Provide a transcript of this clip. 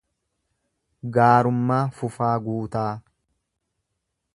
Gaarummaa Fufaa Guutaa